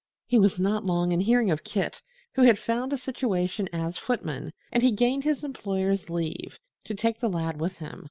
He was not long in hearing of Kit, who had found a situation as footman, and he gained his employer's leave to take the lad with him.